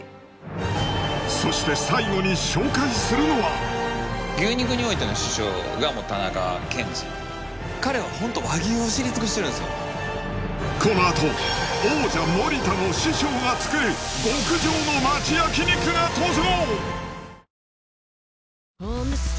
そして最後に紹介するのはこのあと王者・森田の師匠が作る極上の町焼肉が登場！